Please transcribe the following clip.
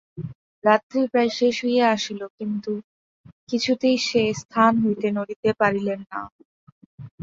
রাত্রি প্রায় শেষ হইয়া আসিল, কিন্তু কিছুতেই সে স্থান হইতে নড়িতে পারিলেন না।